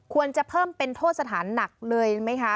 ควรจะเพิ่มเป็นโทษสถานหนักเลยไหมคะ